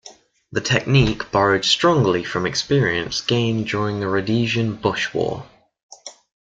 The technique borrowed strongly from experience gained during the Rhodesian Bush War.